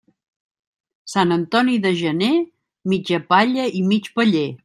Sant Antoni de gener, mitja palla i mig paller.